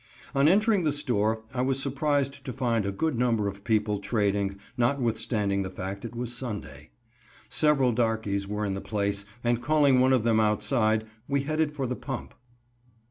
On entering the store I was surprised to find a good number of people trading, notwithstanding the fact it was Sunday. Several darkies were in the place, and calling one of them outside, we headed for the pump.